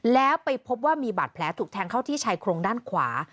แล้วไปพบว่ามีบาดแผลถูกแทงเข้าที่ชายโครงด้านขวา